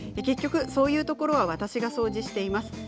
結局、そういうところは私が掃除しています。